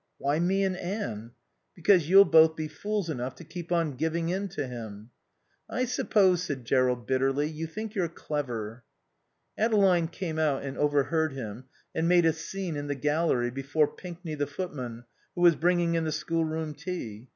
"Why me and Anne?" "Because you'll both be fools enough to keep on giving in to him." "I suppose," said Jerrold bitterly, "you think you're clever." Adeline came out and overheard him and made a scene in the gallery before Pinkney, the footman, who was bringing in the schoolroom tea.